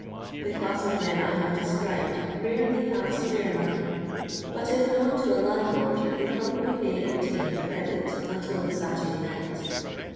The class of men I have described rarel}' have spiire money, but if known to a land lord, they probably may obtain credit until the Saturday night.